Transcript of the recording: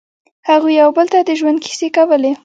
هغوی یو بل ته د ژوند کیسې کولې.